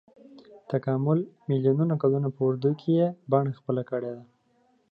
تکامل میلیونونو کلونو په اوږدو کې یې بڼه خپله کړې.